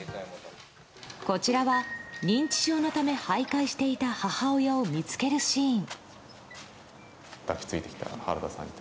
こちらは、認知症のため徘徊していた母親を見つけるシーン。